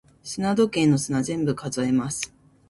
砂時計の砂、全部数えます。